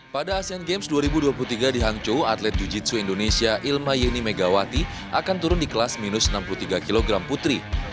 pada asean games dua ribu dua puluh tiga di hangzhou atlet jujitsu indonesia ilma yeni megawati akan turun di kelas minus enam puluh tiga kg putri